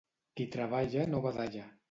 Qui treballa no badalla.